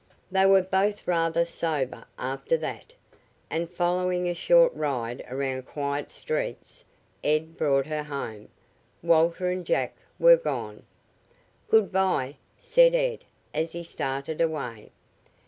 They were both rather sober after that, and following a short ride around quiet streets Ed brought her home. Walter and Jack were gone. "Good by," said Ed as he started away.